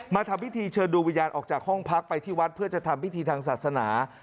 ทำพิธีเชิญดูวิญญาณออกจากห้องพักไปที่วัดเพื่อจะทำพิธีทางศาสนา